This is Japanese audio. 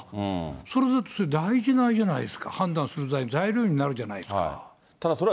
それだと、大事なあれじゃないですか、判断する材料になるじゃないですか。